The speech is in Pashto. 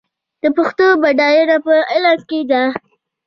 د پښتو بډاینه په علم کې ده.